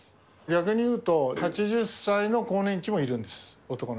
逆に言うと、８０歳の更年期もいるんです。